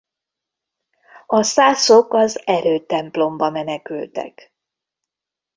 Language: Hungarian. A szászok az erődtemplomba menekültek.